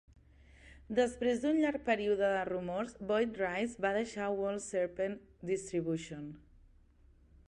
Després d'un llarg període de rumors, Boyd Rice va deixar World Serpent Distribution.